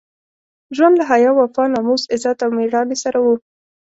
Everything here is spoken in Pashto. ژوند له حیا، وفا، ناموس، عزت او مېړانې سره وو.